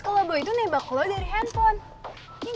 kalo boy itu nebak lu dari handphone